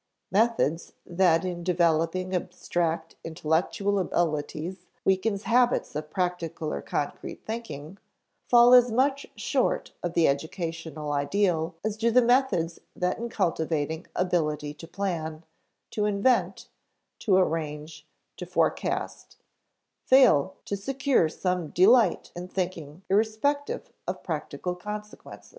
Methods that in developing abstract intellectual abilities weaken habits of practical or concrete thinking, fall as much short of the educational ideal as do the methods that in cultivating ability to plan, to invent, to arrange, to forecast, fail to secure some delight in thinking irrespective of practical consequences.